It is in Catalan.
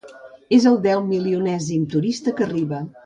És el deu milionèsim turista que arriba.